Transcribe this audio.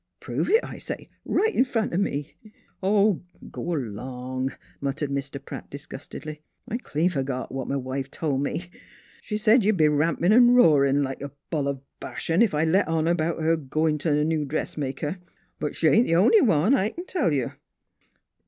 Prove it, I say, right in front o' me !"" Aw, g'long," muttered Mr. Pratt disgustedly. " I clean fergot what m' wife told me. She said you'd be rampin' an' roarin' like a bull of Bashan, if I let on 'bout her goin' t' th' new dressmaker. But she ain't th' only one, I c'n tell you